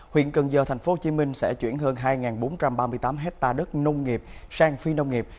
huyện cần giờ thành phố hồ chí minh sẽ chuyển hơn hai bốn trăm ba mươi tám hectare đất nông nghiệp sang phi nông nghiệp